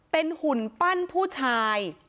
เป็นหุ่นปั้นผู้ชาย